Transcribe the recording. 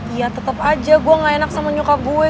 iya tetep aja gue gak enak sama nyokap gue